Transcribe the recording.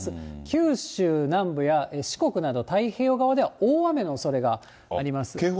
九州南部や四国など太平洋側では、大雨のおそれがあります。